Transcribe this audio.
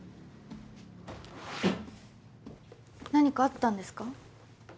何かあったんですか？